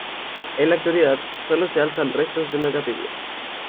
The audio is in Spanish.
En la actualidad solo se alzan restos de una capilla.